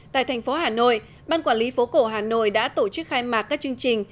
tại thành phố hà nội ban quản lý phố cổ hà nội đã tổ chức khai mạc các chương trình